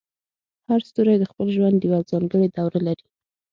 هر ستوری د خپل ژوند یوه ځانګړې دوره لري.